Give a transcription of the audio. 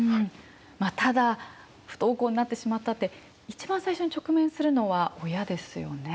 ただ不登校になってしまったって一番最初に直面するのは親ですよね。